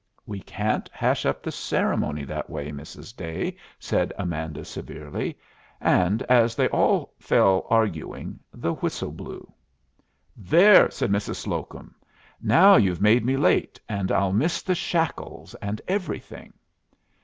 "We can't hash up the ceremony that way, Mrs. Day," said Amanda, severely. And as they all fell arguing, the whistle blew. "There!" said Mrs. Slocum. "Now you've made me late, and I'll miss the shackles and everything."